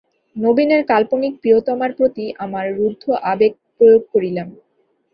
নবীনের কাল্পনিক প্রিয়তমার প্রতি আমার রুদ্ধ আবেগ প্রয়োগ করিলাম।